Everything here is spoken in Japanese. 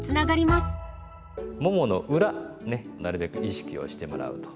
ももの裏ねなるべく意識をしてもらうと。